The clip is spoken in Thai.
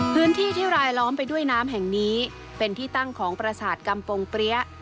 พื้นที่ที่รายล้อมไปด้วยน้ำแห่งนี้เป็นที่ตั้งของประสาทกำปงเปรี้ย